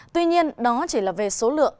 tuy nhiên đó chỉ là về số lượng